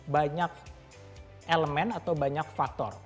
banyak elemen atau banyak faktor